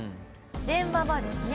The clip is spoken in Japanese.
電話はですね